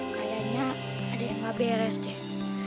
kayaknya ada yang gak beres deh